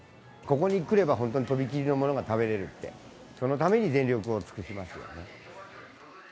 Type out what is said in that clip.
ここに来れば本当に飛び切りのものが食べれるって、そのために全力を尽くしますよね。